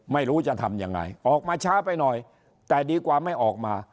ไม่รู้จะทำยังไงออกมาช้าไปหน่อยแต่ดีกว่าไม่ออกมา